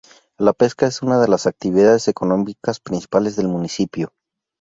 La pesca es una de las actividades económicas principales del municipio.